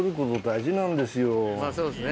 そうですね。